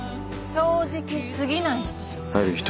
正直すぎない人。